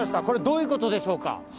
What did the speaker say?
これどういうことでしょうか？